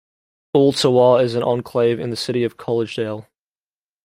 Ooltewah is an enclave in the city of Collegedale.